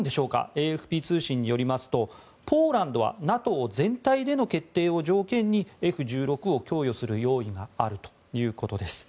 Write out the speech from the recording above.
ＡＦＰ通信によりますとポーランドはＮＡＴＯ全体での決定を条件にＦ１６を供与する用意があるということです。